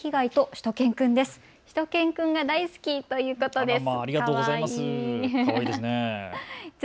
しゅと犬くんが大好きということです。